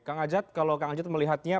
kang ajat kalau kang ajat melihatnya